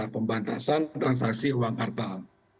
pembantasan transaksi uang kartal